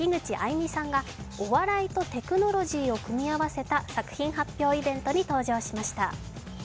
いみさんがお笑いとテクノロジーを組み合わせた作品発表イベントに登場しました。